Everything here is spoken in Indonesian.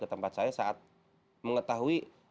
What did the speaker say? ke tempat saya saat mengetahui